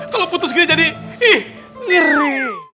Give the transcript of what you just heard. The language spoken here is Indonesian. kalau putus gini jadi ih li